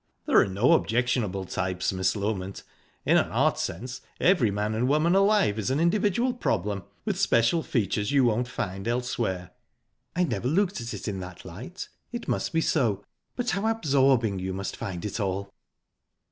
"There are no objectionable types, Miss Loment. In an art sense, every man and woman alive is an individual problem, with special features you won't find elsewhere." "I never looked at it in that light. It must be so. But how absorbing you must find it all!"